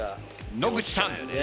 野口さん。